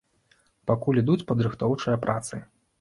Пакуль ідуць падрыхтоўчыя працы.